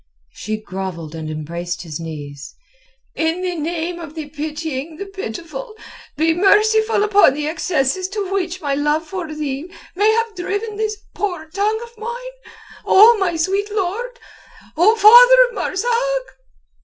She grovelled and embraced his knees. "In the name of the Pitying the Pitiful be merciful upon the excesses to which my love for thee may have driven this poor tongue of mine. O my sweet lord! O father of Marzak!"